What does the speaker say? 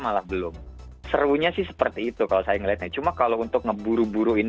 malah belum serunya sih seperti itu kalau saya ngeliatnya cuma kalau untuk ngeburu buruin